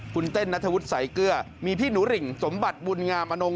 คุณเต้นนัทวุฒิสายเกลือมีพี่หนูริ่งสมบัติบุญงามอนง